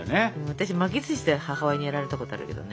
私巻きずしで母親にやられたことあるけどね。